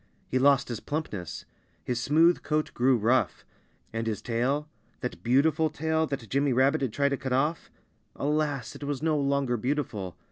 He lost his plumpness. His smooth coat grew rough. And his tail that beautiful tail that Jimmy Rabbit had tried to cut off alas! it was no longer beautiful.